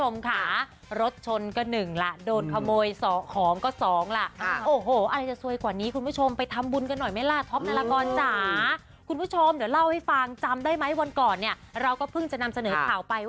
มาทั้งพี่